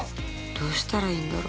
どうしたらいいんだろ。